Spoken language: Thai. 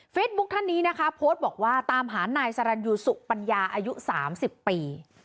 ท่านนี้นะคะโพสต์บอกว่าตามหานายสรรยูสุปัญญาอายุ๓๐ปี